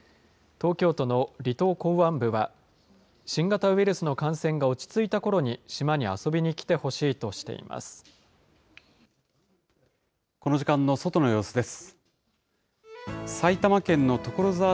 東京都の離島港湾部は、新型ウイルスの感染が落ち着いたころに島に遊びに来てほしいとしています。